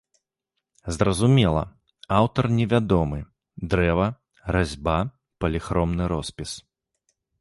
Зразумела, аўтар невядомы, дрэва, разьба, паліхромны роспіс.